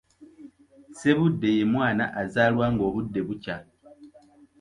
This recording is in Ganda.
Ssebudde ye mwana azaalwa ng’obudde bukya.